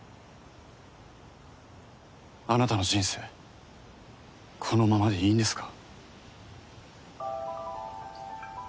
あなたの人生このままでいいんですか？